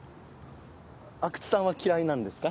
阿久津さんは嫌いなんですか？